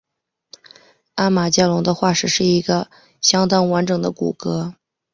阿马加龙的化石是一个相当完整的骨骼。